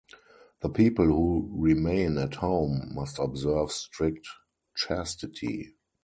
The people who remain at home must observe strict chastity.